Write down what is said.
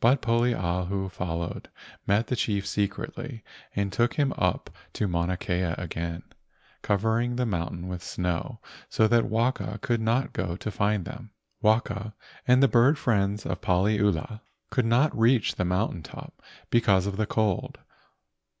But Poliahu followed, met the chief secretly and took him up to Mauna Kea again, covering the mountain with snow so that Waka could not go to find them. Waka and the bird friends of Paliula could not reach the mountain top because of the cold.